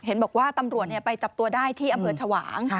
เห็นบอกว่าตำรวจไปจับตัวได้ที่อำเภอชวาง